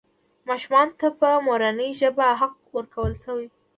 ماشومانو ته په مورنۍ ژبه حق ورکړل شوی.